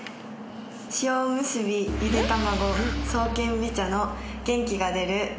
塩おむすびゆで卵爽健美茶の元気が出るセットです。